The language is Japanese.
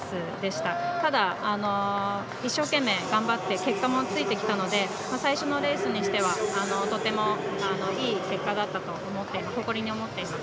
ただ、一生懸命頑張って結果もついてきたので最初のレースにしてはとてもいい結果になったと思って誇りに思っています。